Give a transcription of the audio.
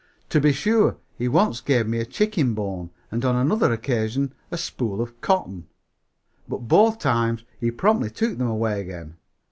To be sure, he once gave me a chicken bone and on another occasion a spool of cotton, but both times he promptly took them away again.